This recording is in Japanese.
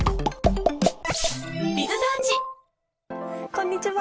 こんにちは。